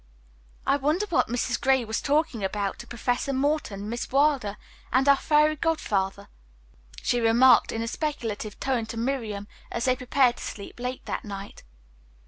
"I wonder what Mrs. Gray was talking about to Professor Morton, Miss Wilder and our fairy godfather?" she remarked in a speculative tone to Miriam as they prepared for sleep late that night.